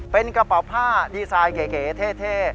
เป็นกระเป๋าผ้าดีไซน์เก๋เท่